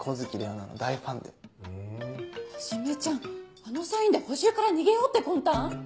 はじめちゃんあのサインで補習から逃げようって魂胆⁉